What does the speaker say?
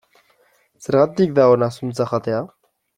Zergatik da ona zuntza jatea?